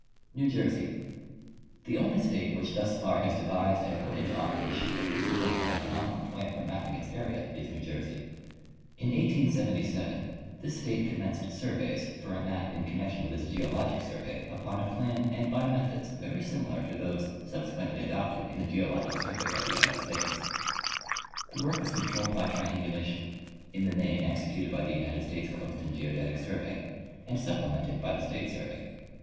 Neiv Jersey. — The only state which thus far has devised and put into operation a reasonable and economical plan for map ping its area is New Jersey. In 1877 this state commenced sur veys for a map in connection with its geologic survey upon a plan and by methods very similar to those subsequently adopted in the geologic survey of the United States. The work Avas con trolled by triangulation, in the main executed by the United States Coast and Geodetic survey and su]3plemented by the state survey.